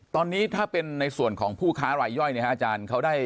ตอนนี้ถ้าเป็นในส่วนของผู้ค้ารายย่อยเนี่ยฮะอาจารย์เขาได้